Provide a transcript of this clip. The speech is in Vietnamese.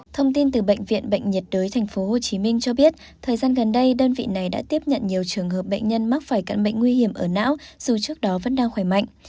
thông tin từ bệnh viện bệnh nhiệt đới tp hcm cho biết thời gian gần đây đơn vị này đã tiếp nhận nhiều trường hợp bệnh nhân mắc phải cận bệnh nguy hiểm ở não dù trước đó vẫn đang khỏe mạnh